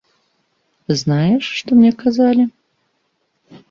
Знаеш, што мне казалі?